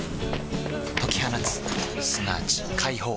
解き放つすなわち解放